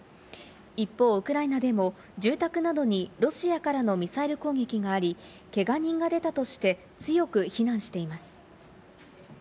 一方、ウクライナでも住宅などにロシアからのミサイル攻撃があり、けが人が出たとして強く非難しています。